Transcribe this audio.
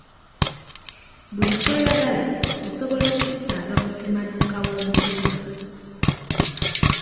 Buli ky’oyagala osobola okukisanga mu ssemaduuka w’omu kibuga.